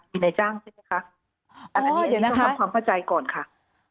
เป็นในจ้างใช่ไหมคะอ๋อเดี๋ยวนะคะอันนี้ต้องทำความเข้าใจก่อนค่ะ